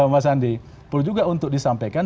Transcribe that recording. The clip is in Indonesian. mas andi perlu juga untuk disampaikan